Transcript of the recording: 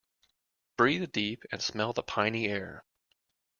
Breathe deep and smell the piny air.